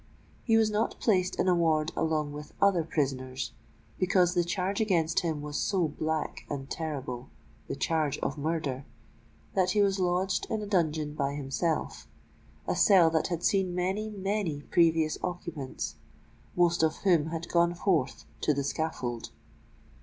He was not placed in a ward along with other prisoners; because the charge against him was so black and terrible—the charge of murder—that he was lodged in a dungeon by himself—a cell that had seen many, many previous occupants, most of whom had gone forth to the scaffold!